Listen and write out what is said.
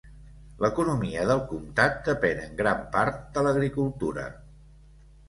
L'economia del comtat depèn en gran part de l'agricultura.